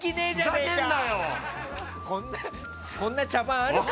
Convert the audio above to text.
こんな茶番あるか！